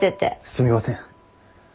すみません。